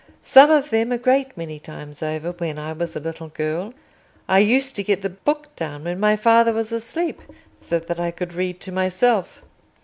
"Some of them a great many times over, when I was a little girl. I used to get the book down when my father was asleep, so that I could read to myself."